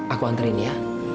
aku anterin ya